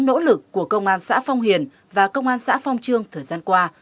nỗ lực của công an xã phong hiền và công an xã phong trương thời gian qua